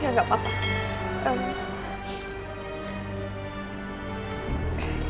ya enggak apa apa